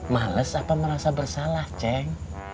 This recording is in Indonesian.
males apa merasa bersalah ceng